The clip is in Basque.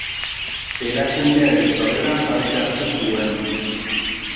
Erakundearen sorreran parte hartu zuen.